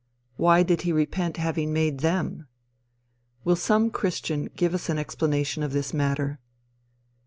Why did he repent having made them? Will some christian give us an explanation of this matter?